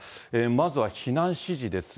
まずは避難指示です。